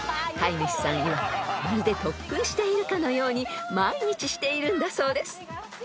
［飼い主さんいわくまるで特訓しているかのように毎日しているんだそうです］